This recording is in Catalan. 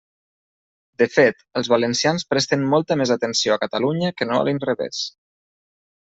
De fet, els valencians presten molta més atenció a Catalunya que no a l'inrevés.